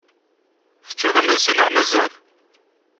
Teččiḍ imensi neɣ mazal?